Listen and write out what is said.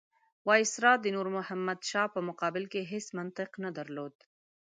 وایسرا د نور محمد شاه په مقابل کې هېڅ منطق نه درلود.